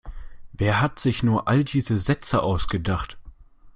Wer hat sich nur all diese Sätze ausgedacht?